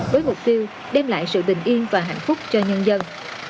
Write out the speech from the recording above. với mục tiêu đem lại sự bình yên và hạnh phúc cho nhân dân